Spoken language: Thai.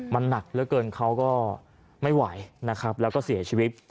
มันหนักเหลือเกินเขาก็ไม่ไหวนะครับแล้วก็เสียชีวิต